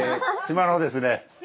島のですね